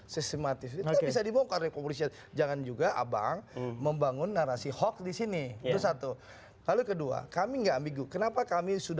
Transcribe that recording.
sistematis itu bisa dibongkar oleh kepolisian jangan juga abang membangun narasi hoax disini itu satu lalu kedua kami enggak ambigu